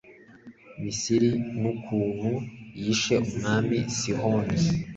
Misiri n ukuntu yishe umwami Sihoni